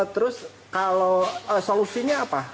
terus kalau solusinya apa